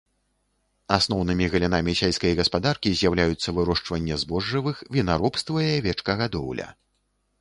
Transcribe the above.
Асноўнымі галінамі сельскай гаспадаркі з'яўляюцца вырошчванне збожжавых, вінаробства і авечкагадоўля.